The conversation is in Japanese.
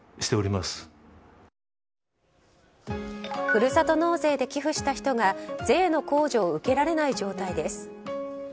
ふるさと納税で寄付した人が税の控除を受けられない状態です。